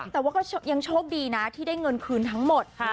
แต่ว่าก็ยังโชคดีนะที่ได้เงินคืนทั้งหมด